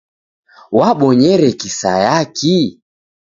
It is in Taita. Wabonyere kisayaki?